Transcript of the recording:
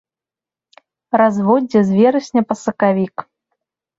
Разводдзе з верасня па сакавік.